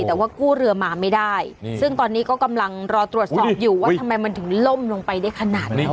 แต่ว่ากู้เรือมาไม่ได้ซึ่งตอนนี้ก็กำลังรอตรวจสอบอยู่ว่าทำไมมันถึงล่มลงไปได้ขนาดนี้